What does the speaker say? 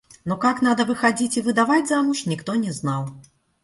Но как надо выходить и выдавать замуж, никто не знал.